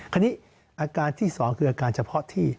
คราวนี้อาการที่สองคืออาการเฉพาะที่